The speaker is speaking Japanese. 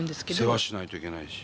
世話しないといけないし。